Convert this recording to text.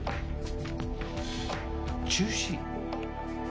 中止。